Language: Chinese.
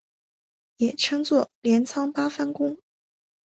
也称作镰仓八幡宫。